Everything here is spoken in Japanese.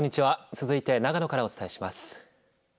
続いて長野からお伝えします。